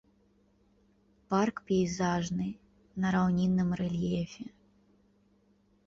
Парк пейзажны, на раўнінным рэльефе.